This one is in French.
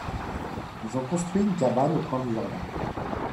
ils ont construit une cabane au coin du jardin.